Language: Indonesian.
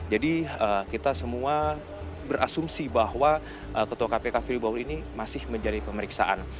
jadi kita semua berasumsi bahwa ketua kpk firly bahuri ini masih menjadi pemeriksaan